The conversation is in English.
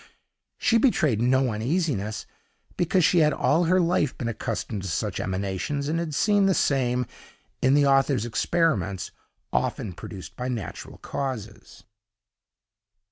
She betrayed no uneasiness, because she had all her life been accustomed to such emanations, and had seen the same, in the author's experiments, often produced by natural causes.